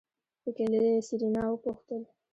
په کې له سېرېنا وپوښتل.